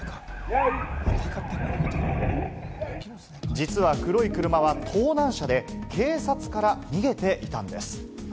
実は黒い車は盗難車で、警察から逃げていたんです。